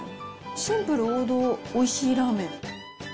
シンプル、王道、おいしいラーメン。